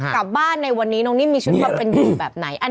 กลับบ้านในวันนี้น้องนิ่มมีชุดความเป็นอยู่แบบไหน